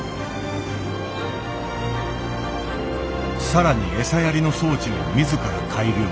更に餌やりの装置も自ら改良。